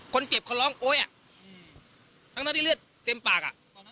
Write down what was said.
คนเจ็บคล้องโอ๊ยอ่ะถ้างั้นผมเลือดเต็มปาก